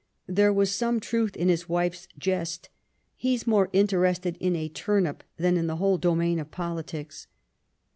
There was some truth in his wife's jest :" He's more interested in a turnip than in the whole domain of politics."